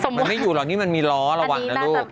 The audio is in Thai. มันไม่อยู่แล้วล่ะนี่มันมีล้อระหวังนะลูก